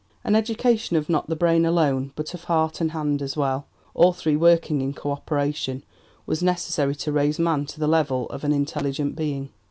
An education of not the brain alone, but of heart and hand as well, all three working in co operation, was necessary to raise man to the level of an intelligent being.